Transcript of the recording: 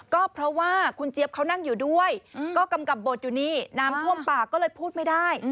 ก็เพราะว่าคุณเจี๊ยบเขานั่งอยู่ด้วยก็กำกับบทอยู่นี่น้ำท่วมปากก็เลยพูดไม่ได้